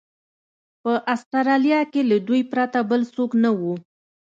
په اسټرالیا کې له دوی پرته بل څوک نه و.